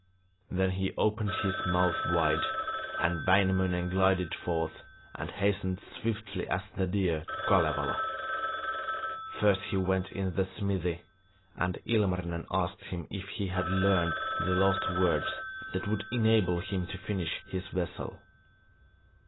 Then he opened his mouth wide, and Wainamoinen glided forth and hastened swiftly as the deer to Kalevala. First he went into the smithy, and Ilmarinen asked him if he had learned the lost words that would enable him to finish his vessel.